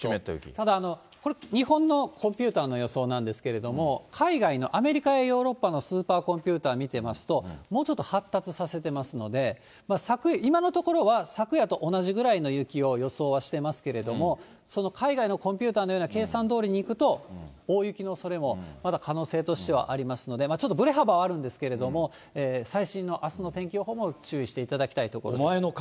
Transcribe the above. ただ、日本のコンピューターの予想なんですけれども、海外の、アメリカやヨーロッパのスーパーコンピューターを見てますと、もうちょっと発達させてますので、今のところは昨夜と同じぐらいの雪を予想はしてますけれども、海外のコンピューターのような計算通りにいくと、大雪のおそれも、まだ可能性としてはありますので、ちょっとぶれ幅はあるんですけれども、最新のあすの天気予報も注意していただきたいところです。